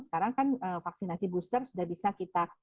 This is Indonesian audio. sekarang kan vaksinasi booster sudah bisa kita